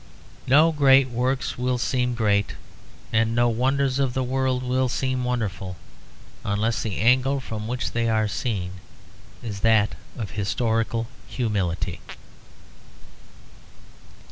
No great works will seem great, and no wonders of the world will seem wonderful, unless the angle from which they are seen is that of historical humility.